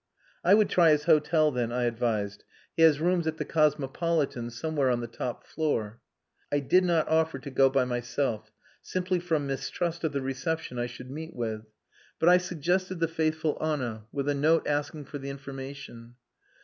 "I would try his hotel, then," I advised. "He has rooms at the Cosmopolitan, somewhere on the top floor." I did not offer to go by myself, simply from mistrust of the reception I should meet with. But I suggested the faithful Anna, with a note asking for the information.